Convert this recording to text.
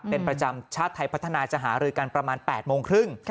เป็นประจำชาติไทยพัฒนาจะหารือกันประมาณ๘โมงครึ่ง